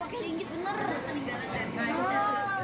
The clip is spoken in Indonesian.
pakai lingis bener